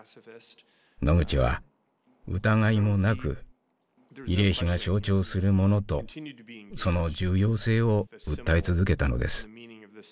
ノグチは疑いもなく慰霊碑が象徴するものとその重要性を訴え続けたのです。